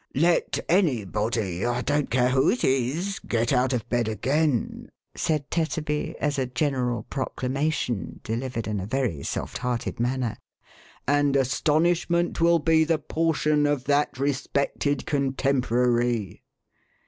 "Let anybody, I don't care who it is, get out of bed again," said Tetterby, as a general proclamation, delivered in MR. TETTERBY'S LITTLE WOMAN. 453 a very soft hearted manner, "and astonishment will be the portion of that respected contemporary